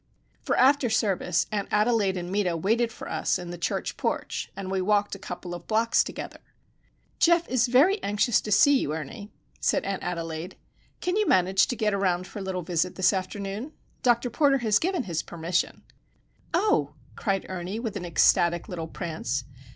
For after service Aunt Adelaide and Meta waited for us in the church porch, and we walked a couple of blocks together. "Geof is very anxious to see you, Ernie," said Aunt Adelaide. "Can you manage to get around for a little visit this afternoon? Dr. Porter has given his permission." "Oh!" cried Ernie, with an ecstatic little prance.